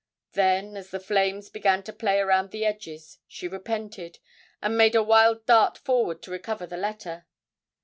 Then, as the flames began to play round the edges, she repented, and made a wild dart forward to recover the letter.